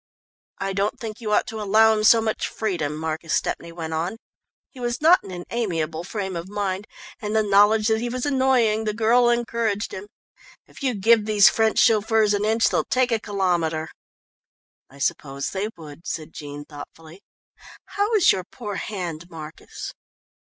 "I don't think you ought to allow him so much freedom," Marcus Stepney went on. He was not in an amiable frame of mind, and the knowledge that he was annoying the girl encouraged him. "If you give these French chauffeurs an inch they'll take a kilometre." "I suppose they would," said Jean thoughtfully. "How is your poor hand, Marcus?"